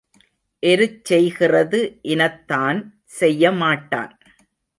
எருச் செய்கிறது இனத்தான் செய்ய மாட்டான்.